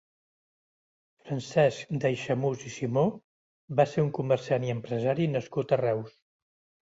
Francesc d'Aixemús i Simó va ser un comerciant i empresari nascut a Reus.